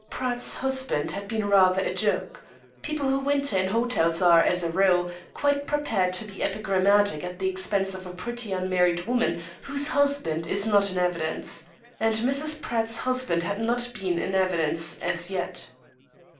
Pratt's husband had been rather a joke. People who winter in hotels are, as a rule, quite prepared to be epigrammatic at the expense of a pretty married woman whose husband is not in evidence. And Mrs. Pratt's husband had not been in evidence as yet.